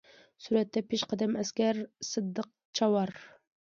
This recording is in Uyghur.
سۈرەتتە: پېشقەدەم ئەسكەر سىدىق چاۋار.